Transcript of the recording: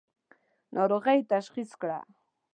ناروغۍ یې تشخیص کړه.